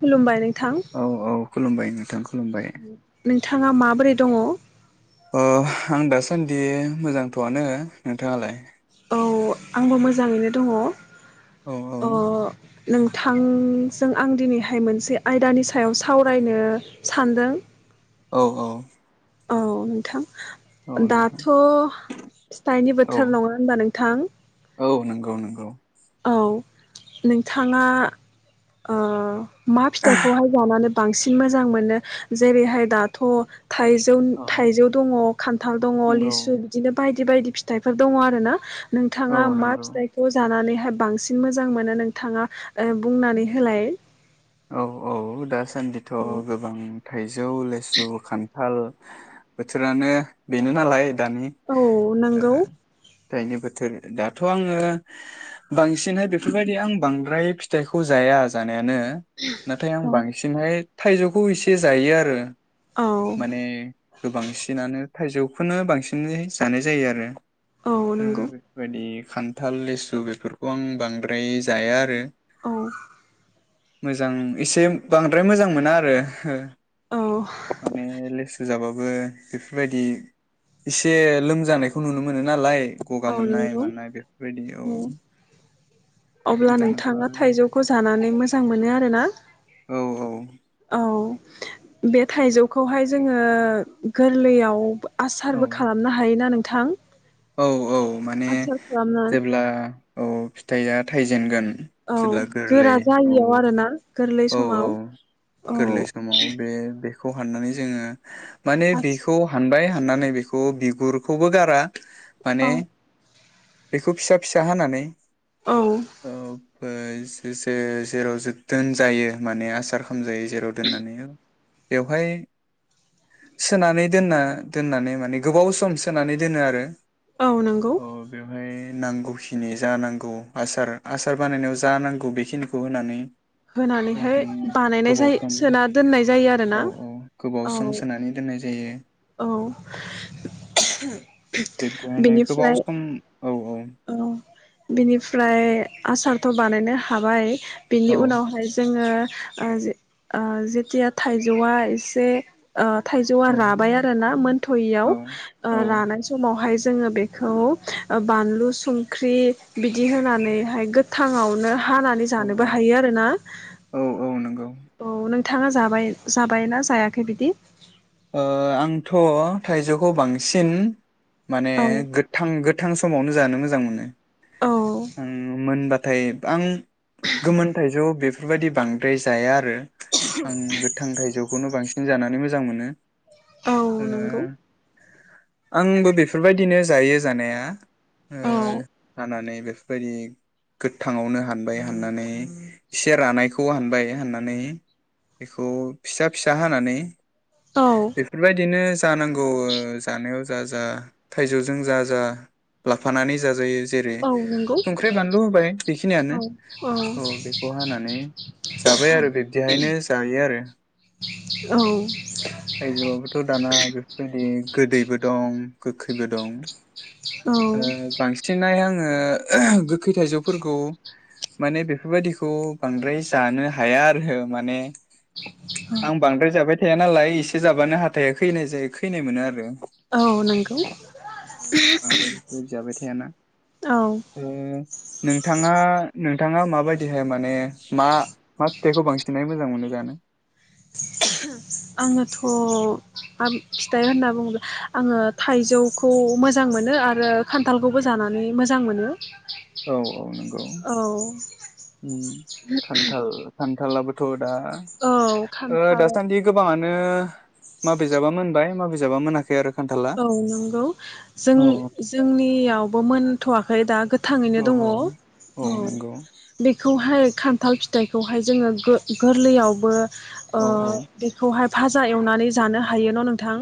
खुलुमबाय औ औ खुलुमबाय नोंथांख [inaudible] थाङा माबोरै दङ? अ आं दासान्दि मोजांथआनो नोंथाङालाय? औ आंबो मोजाङैनो दङ औ औ अ नोंथांजों आं दिनैहाय मोनसे आयदानि सायाव सावरायनो सानदों। औ औ औ नोंथां। औ नोंथां दाथ' फिथाइनि औ बोथोर नङा होनबा नोंथां औ नंगौ नंगौ औ नोंथाङा ओ मा फिथाइखौहाय जानानै बांसिन मोजां मोनो जेरैहाय दाथ थाइजौ औ थाइजौ दङ खान्थाल दङ नंगौ लिसु बिदिनो बाय बिबायदि फिथाइफोर दङ आरो ना औ नोंथाङा मा नंगौ फिथाइखौ जानानै बांसिन मोजां मोनो नोंथाङा ओ बुंनानै होलाय। औ औ दा न्दिथ गोबां थाइजौ। लेसु, खान्थ थाल बोथोरानो बेनो नालाय औ नंगौ थाइनि बोथोर दाथ' आङो बांसिनहाय बेफोरबायदि आं बांद्राय फिथाइखौ जाया जानायानो नाथाय आं बांसिनहाय थाइजौखौ एसे जायो आरो औ माने गोबांसिनानो थाइजौ खौनो बांसिनै जानाय जायो आरो औ हो नंगौ बेफोरबादि खान्थाल लिसु बेफोरखौ आं बांद्राय जाया आरो औ मोजां एसे बांद्राय मोजां मोना आरो औ माने लेसु जाबाबो बो बेफोरबायदि एसे लोमजानायखौ नुनो मोनो नालाय गगा औ मोननाय नंगौ मानाय बेफोरबायदि औ अब्ला दानाथ' नोंथाङा आरो थाइजौखौ जानानै मोजां मोजां मोनो आर ना औ औ औ बे थाइजौखौहाय जोङो गोरलैयाव औ आसारबो खालामनो हायोना नों थां औ औ माने जेब्ला औ फिथाइया थाइजेनगोन। औ जेब्ला गोरलै गोरा औ जायियाव आरो ना गोरलै औ औ समाव औ खौ हाननानै जोङो माने बेखौ हानबाय हाननानै बेखौ बिगुरखौबो गारा। माने औ बेखौ फिसा फिसा हानानै औ ओ जे-जे-जेराव जोबदोन जायो माने आसारखौ जाय जेराव दोनना लायो बेवहाय सोनानै दोनना दोननानै माने गोबाव सम सोनानै दोनो आरो औ नंगौ अ बेवहाय नांगौखिनि जा नांगौ आसार आसार बानायनायाव जा नांगौ बेखिनिखौ होनानै होनानैहाय जों बानायनाय गोबाव जायो सम सोना दोननाय जायो औ आरोना औ औ बिबदियैनो गोबाव सम औ औ ओ बिनिफ्राय आसारथ' बानायनो हाबाय बिनि औ उनावहाय जोङो ओ जे ओ जेथिया थाइजौआ एसे ओ थाइजौआ औ राबाय आरोना मोनथ'यियाव औ रानाय समावहाय जोङो बेखौ ओ बानलु संख्रि बिदि होनानैहाय गोथाङावनो हानानै औ जानोबो औ हायो आरो ना? औ [inaudible] थाङा जाबाय, जाबायना जायाखै बिदि? ओ आंथ' थाइजौखौ बांसिन माने औ गोथां गोथां समावनो जानो मोजां मोनो। औ आं मोनबा थाय आं गोमोनथायाइजौ बेफ बेफोरबायदि बांद्राय जाया आरो। आं गोथां थाइजौखौनो बांसिन जानानै मोज जां मोनो। औ ओ नंगौ आंबो बेफोरबायदिनो जायो जानाया ओ औ जानानै बेफ बायदि गोथाङावनो हानबाय हाननानै एसे रानायखौ हानबाय हाननानै बेखौ फिसा फिसा हानानै औ बेफोरबायदिनो जानांगौ जानायाव जा जा थाइजौजों जा जा लाफानानै जा जायो। जेरै औ नंगौ संख्रि बानलु होबाय बेखिनियानो औ बेखौ हानानै जाबाय आरो बिब्दिहायनो जायो आरो। थायजौआबोथ' दाना बेफोरबायदि गोदैबो दं गोखैबो दं। औ ओ बांसिनहाय आं ओ गोखै थाइजौफोरखौ माने बेफोरबायदिखौ बांद्राय जानो हाया आरो माने। आं बांद्राय जाबाय थाया नालाय एस से जाबानो हाथाया खैनाय जायो खैनाय मोनो आरो। औ नंगौ बांद्राय बेफोरबायदि जाबाय थायाना औ ओ नोंथाङा नोंथाङा माबायदिहाय माने मा मा थाइखौ बांसिनै मोजां मोनो जानो। आङोथ' मा फिथाइ होनना बुङोला आङो थाइजौखौ मोज जां मोनो आरो औ खान्थालखौबो जानानै मोजां मोनो। औ औ नंगौ औ उम खान्थाल खान थालाबोथ' दा औ खान्थाल दासान्दि गोबाङानो। बिनो मा बिजाबा मोनबाय मा बिजाबा मोनाखै आरो। खान्थाला औ नंगौ जों औ जोंनियावबो मोन। थाथ'वाखै दा। गोथाङैनो औ दङ औ बे। खौहाय खान्थाल फिथाइखौहाय जोङो गो गोरलैयावबो। औ ओ बेखौहाय। फाजा एवनानै जानो हायो न नोंथां।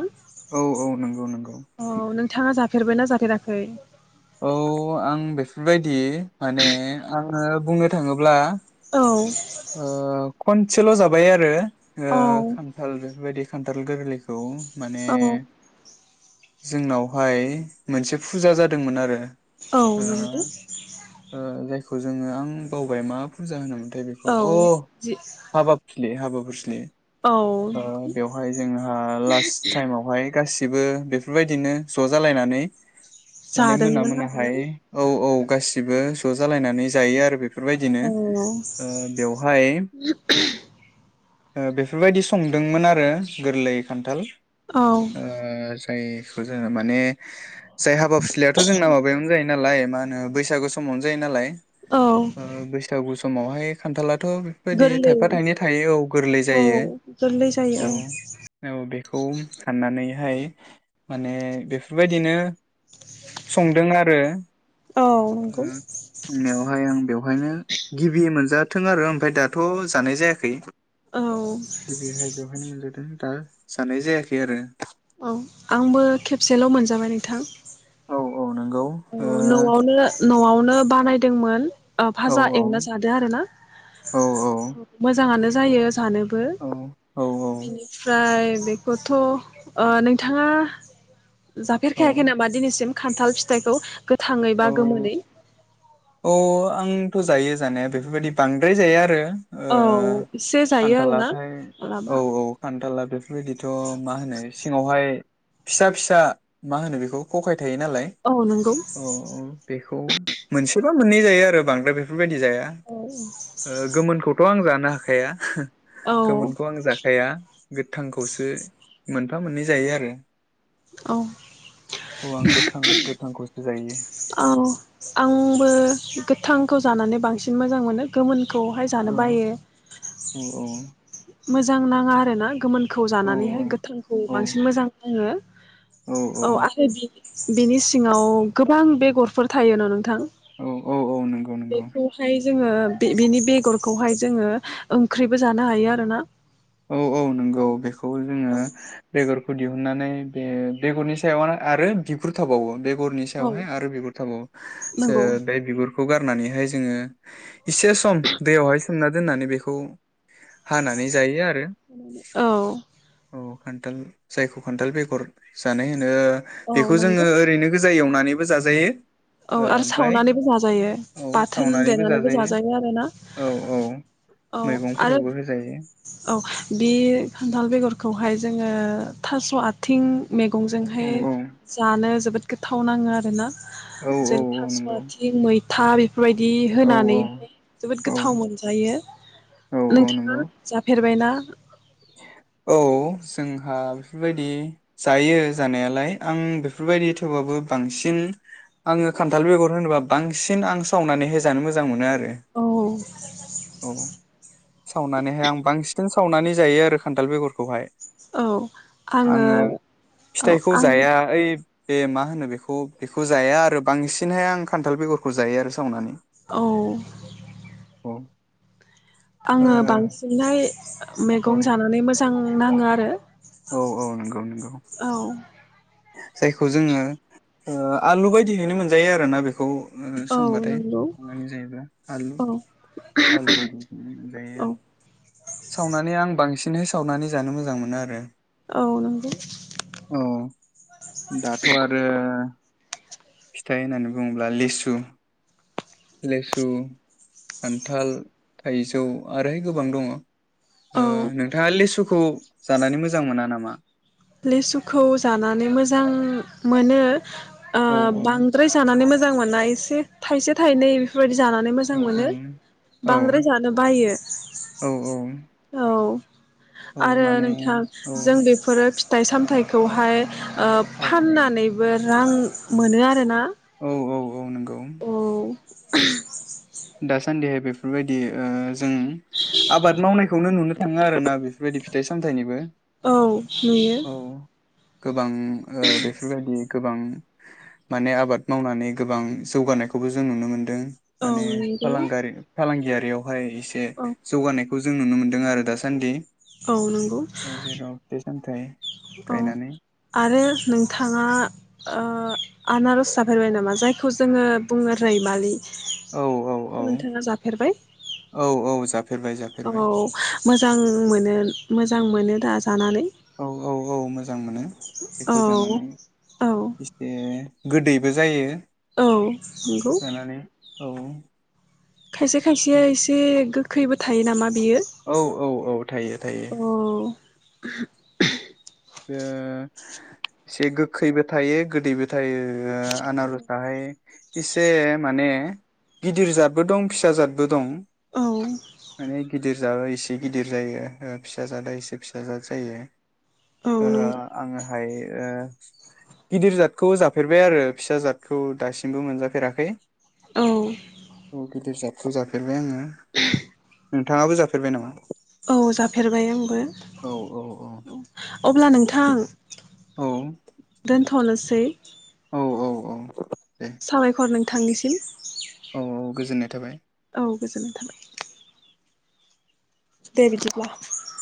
औ औ नोंगौ नोंगो अ नोंथाङा जाफ फेरबायना जाफेराखै? औ आं बेफोरबायदि माने आङो बुंनो थाङोब्ला। औ। ओ खनसेल जाबाय आरो। ओ औ खान्थाल बेफोरबायदि। खान्थाल गोरलैखौ। माने। औ जोंनावहाय मोनसे फुजा जादोंमोन आरो। औ नोंग। खौ जोङो आं बावबाय मा फुजा होनोमोनथाय बे अ औ जि हाबाब फिलि हाबाब। गुुसलि। औ ओ बेवहाय जोंहा लास्ट टाइमआवहाय। गासिबो बेफोरबायदिनो ज' जालायनानै। माने मोना जादोंमोन आरोना मोनाहाय औ औ। गासिबो ज' जालायनानै जायो आरो बेफ अ। ओ बेवहाय। ओ बेफोरबायदि संदोंमोन आरो गोरलै खान्थाल। औ। दाइखौ जोङो माने। जाय हाबा फिस्लायाथ जोंना माबायावनो जायो नालाय। मा होनो बैसागु समावनो जायो नालाय। औ ओ बैसागु स अमावहाय। खान्थाला थ बेफोरबायदि गोरलै थायफा थाइनै थायो औ गोरलै औ जायो गोरलै औ जायो औ बेखौ हाननानै। हाय माने बेफोरबायदिनो संदों आरो। औ नंगौ उम बुंनायावहाय ओं बेवहायनो। गिबि मोनजा थों आरो ओमफ्राय दाथ जानाय जायाखै। औ औ बेहाय बेवहायनो मोनजादों दा। साननाय जायाखै आरो। औ आंबो खेबसेल मोनजाबाय नोंथां। औ औ नों। अ नआवनो नआवनो बानायदोंमोन। ओ भाजा एवना जादो आरो ना औ मोजाङानो जायो। जानोबो औ औ बिनिफ्राय। बेखौथ ओ नोंथाङा। जाफेर औ खायाखै नामा दिनैसिम? खान्थाल फि थायखौ। गोथाङै बा गोमोनै। अ आंथ जायो जानाया बेफोरबायदि बांद्राय जाया आरो। औ ओ एसे जायो आरोना खान्थालाथाय मालाबा औ औ खान्थाला बेफोरबायदिथ मा होनो सिङावहाय। फिसा फिसा मा होनो बेखौ कखाय। थायो नालाय औ नंगौ औ बे [unintelligible] मोनसेबा मोननै जायो आरो बांद्राय बेफोर बेबायदि जाया औ ओ गोमोनखौथ आं जा नो हाखाया हो। औ गोमोनखौ आं जाखाया गोथांखौसो। मोनफा मोननै जायो आरो। औ औ आं गोथां गोथांखौसो जायो। आबो गोथांखौ जानानै बांसिन मोजां मोनो गोमोन। खौहाय औ जानो बायो। औ औ। मोजां नाङा आरोना गोमोन। खौ जानानैहाय औ गोथांखौ औ बांसिन मोजां नाङो औ आङो बिनि बेनि सिङाव गोबां बेगरफोर थायोन नो थां औ औ औ नंगौ नंगौ बेखौहाय जोङो बि-बिनि बेगरखौहाय जोङो ओंख्रिबो जानो हायो आरोना औ औ नोंगौ बेखौ खौबो जोङो बेगर दिहुननानै बे बेगरनि सायावनो आरो बिगुर थाबावो बे गरनि औ सायावहाय आरो बिगुर थाबावो नंगौ सोर बे बिगुर खौ गारनानैहाय जोङो इसे सम दैयावहाय सोमना दोननानै बेखौ हानानै जायो आ औ खान्थाल जायखौ खान्थाल बेगर जानाय होनो ओ औ बेखौ नंगौ जोङो ओरैनो गो जा एवनानैबो जाजायो औ ओ आरो ओमफाय सावनानैबो जाजायो औ बाथोन सावनानैबो देनानैबो जाजायो आरोना औ औ औ आरो मैगंफोरावबो होजायो । औ बे खान्थाल बेगरखौहाय जोङो थास' आथिं औ मेगंजोंहाय औ जानो जोबोद गोथाव नाङो आरोना औ जों औ औ थास' नंगौ आथिं मै था बेफोरबायदि औ होनानैहाय जोबोद औ गोथाव मोनजायो औ औ नोंथाङा नंगौ जाफेरबायना? [inaudible] औ जोंहा बेफोरबायदि जायो जानायालाय आं बेफोरबायदि थेवबाबो बांसिन आङो खान्थाल बेगर होनोबा बांसिन आं सावनानैहाय जानो मोजां मोनो आरो औ सावनानैहाय आं बांसिन सावनानै जायो आरो खान्थाल बेगरखौहाय। औ आङो औ फिथाइखौ आं जाया ओइ बे मा होनो बेखौ बेखौ जाया आरो बांसिनहाय आं खान्थाल बेगरखौ जायो आरो सावनानै औ अ आङो बांसिनहाय खं जानानै मो जां नाङो आरो औ औ नोंगौ नोंगौ औ जायखौ जोङो ओ आलु बायदियैनो मोनजायो आरो ना बेखौ औ संबाथाय नंगौ संनानै जायोबा आलु औ आलु बायदि जायो औ सावनानै आं बांसिन बिदिनो सावनानै जानो मोजां मोनो आरो। औ नंगौ औ दाथ' आरो फिथाइ होननानै बुङोब्ला लेसु, लेसु, खान्थाल थाइजौ आरोहाय गोबां दङ ओ औ नोंथाङा लेसुखौ जानानै मोजां मोजां मोना नामा? लेसुखौ जानानै मोजां मोनो ओ औ औ बांद्राय जानानै मोजां मोजां मोना एसे थाइसे थाइनै बेफोरबायदि जानानै मोजां औ मोनो औ बांद्राय जानो बायो औ औ औ औ आरो माने नोंथां औ जों बेफोरो फिथाइ-सामथाइखौहाय ओ औ फाननानै बो रां मोनो आरोना। औ औ। औ नंगौ। औ [unintelligible] दासान्दिहाय बेफोरबायदि ओ जों आबाद मावनायखौनो नुनो थाङो आरोना बेफोरबायदि फिथाइ-सामथाइनिबो। औ नुयो औ गोबां ओ बेफोरबायदि गोबां माने आबाद मावनानै गोबां जौगानायखौबो जों नुनो मोनदों। औ नंगौ फालांगारि-फालांगियारि हाय एसे औ जौगानायखौ जों नुनो मोनदों दों आरो दासान्दि। औ नंगौ जेराव फिथाइ सामथाइ औ गायनानै आरो नोंथाङा ओ आनारस जाफैबाय नामा? जायखौ जोङो बुङो रैमालि। औ बेखौ औ नोंथाङा औ जाफेरबाय औ औ जाफेरबाय औ जाफेरबाय मोजां मोनो मोजां मोजां मोनो दा जानानै? औ औ औ मोजां मोनो। औ बेखौ जानानै औ एसे गोदैबो जायो। औ नंगौ। जानानै औ खायसे-खायसेयै एसे गोखै खैबो थायो नामा। बियो औ थायो थायो औ। ओम। ओ एसे गोखैबो थायो गोदैबो थायो आनारसाहाय एसे माने गिदिर जादबो दं फिसा जादबो दं। माने औ। गिदिर जादा एसे गिदिर जायो ओ फिसा जादा एसे फिसा जाद जायो। औ ओ नों आङो ओमफाय ओ गिदिर जादखौ जाफेरबाय आरो फिसा जादखौ दासिमबो मोनजाफेराखै औ औ गिदिर जादखौ जाफेरबाय आङो नोंथाङाबो जाफेरबाय नामा। औ जाफेरबाय आंबो औ औ। अब्ला नोंथां औ दोनथ। थनोसै। औ औ औ दे साबायखर नों। थांनिसिम। औ औ गोजोननाय थाबाय। औ गोजोननाय थाबाय। दे बिदिब्ला।